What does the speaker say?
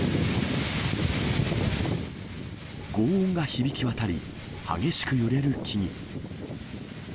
ごう音が響き渡り、激しく揺れる木々。